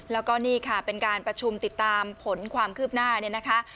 แล้วก็นี่ค่ะเป็นการประชุมติดตามผลความคืบหน้าเนี่ยนะคะ